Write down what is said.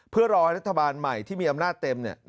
เพื่อรอให้รัฐบาลใหม่ที่มีอำนาจเต็ม